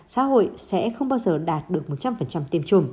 xã hội sẽ không bao giờ đạt được một trăm linh tiêm chủng